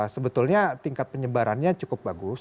sebetulnya tingkat penyebarannya cukup bagus